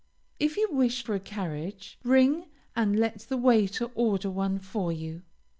If you wish for a carriage, ring, and let the waiter order one for you.